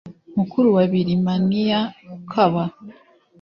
mukuru wa birimaniya ukaba